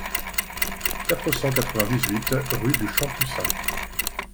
quatre cent quatre-vingt-dix-huit rue du Champ Pussin